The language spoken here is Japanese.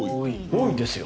多いんですよ。